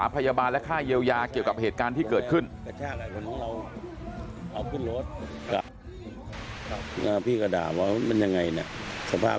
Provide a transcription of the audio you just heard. พี่ก็ด่าว่ามันยังไงเนี่ยสภาพ